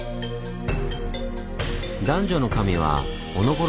男女の神はおのころ